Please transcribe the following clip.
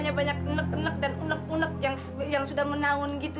ayah rupanya banyak nek nek dan unek unek yang sudah menangun gitu